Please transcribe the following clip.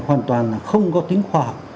hoàn toàn là không có tính khoa học